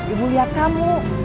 ibu liat kamu